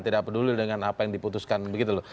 tidak peduli dengan apa yang diputuskan begitu loh